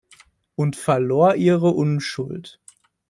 Und verlor ihre Unschuld.